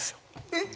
えっ？